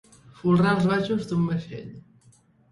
Folrar els baixos d'un vaixell.